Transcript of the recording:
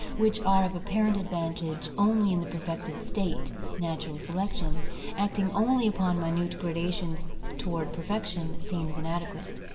which are of apparent advantage only in the perfected state, natural selection, acting only upon minute gradations toward perfection, seems inadequate.